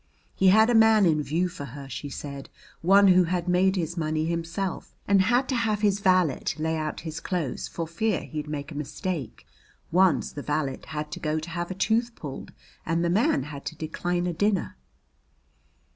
He had a man in view for her, she said, one who had made his money himself, and had to have his valet lay out his clothes for fear he'd make a mistake. Once the valet had to go to have a tooth pulled and the man had to decline a dinner.